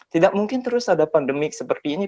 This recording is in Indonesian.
tidak mungkin terus ada pandemi seperti ini